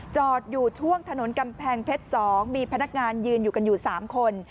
จอดอยู่ช่วงถนนกำแพงเพชร๒มีพนักงานยืนอยู่กันอยู่๓คน